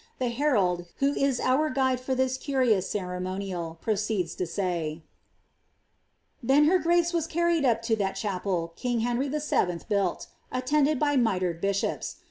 The herald, who is our guide in this curious ceremonial, proceeds lo say— ' Then her grace was carried up lo that chapel king Henry VIL boiided, attended by mitred bishops.